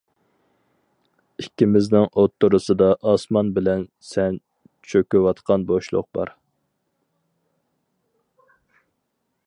ئىككىمىزنىڭ ئوتتۇرىسىدا ئاسمان بىلەن سەن چۆكۈۋاتقان بوشلۇق بار.